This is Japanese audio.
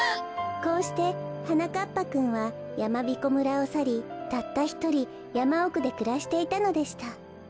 こうしてはなかっぱくんはやまびこ村をさりたったひとりやまおくでくらしていたのでした。